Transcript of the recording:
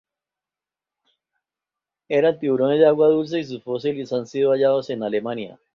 Eran tiburones de agua dulce y sus fósiles han sido hallados en Alemania.